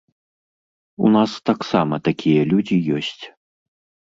У нас таксама такія людзі ёсць.